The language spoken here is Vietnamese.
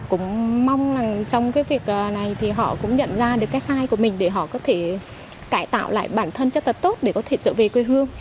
cũng mong rằng trong cái việc này thì họ cũng nhận ra được cái sai của mình để họ có thể cải tạo lại bản thân cho thật tốt để có thể trở về quê hương